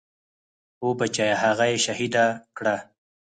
هو بچيه هغه يې شهيده کړه.